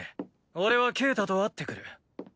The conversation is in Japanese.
俺はケータと会ってくる。